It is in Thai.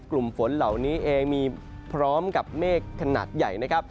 กลุ่มฝนเหล่านี้เองมีพร้อมกับเมฆขนาดใหญ่นะครับ